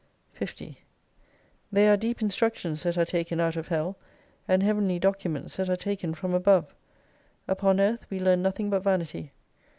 50 They are deep instructions that are taken out of hell, ' and heavenly documents that are taken from above. Upon Earth we learn nothing but vanity.